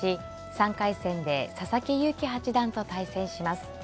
３回戦で佐々木勇気八段と対戦します。